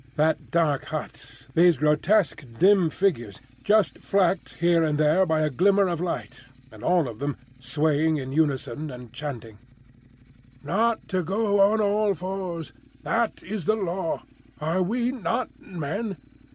That dark hut, these grotesque dim figures, just flecked here and there by a glimmer of light, and all of them swaying in unison and chanting, "Not to go on all fours; that is the Law. Are we not Men?